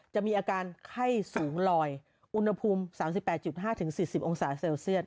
จะมีอาการไข้สูงลอยอุณหภูมิ๓๘๕๔๐องศาเซลเซียต